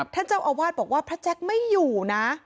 ท่านเจ้าอาวาสบอกว่าพระแจ๊คไม่อยู่นะ